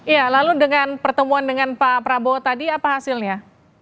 ya lalu dengan pertemuan dengan pak prabowo tadi apa hasilnya